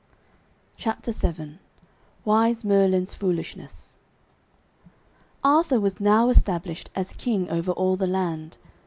CHAPTER VII WISE MERLIN'S FOOLISHNESS Arthur was now established as king over all the land.